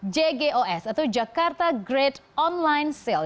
jgos atau jakarta grade online sale